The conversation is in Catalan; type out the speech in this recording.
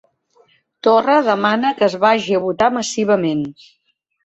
Torra demana que es vagi a votar massivament.